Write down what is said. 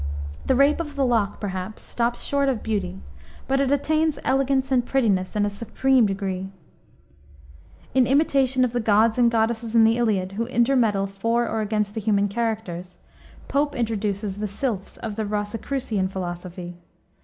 The Rape of the Lock, perhaps, stops short of beauty, but it attains elegance and prettiness in a supreme degree. In imitation of the gods and goddesses in the Iliad, who intermeddle for or against the human characters, Pope introduced the Sylphs of the Rosicrucian philosophy.